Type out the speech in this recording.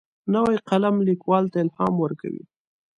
نوی قلم لیکوال ته الهام ورکوي